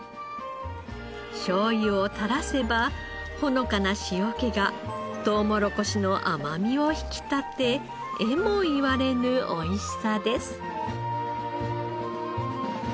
しょうゆを垂らせばほのかな塩気がとうもろこしの甘みを引き立てえも言われぬおいしさです。